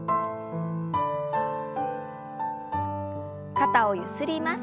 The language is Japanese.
肩をゆすります。